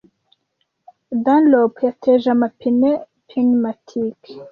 Dunlop yateje amapine pneumatike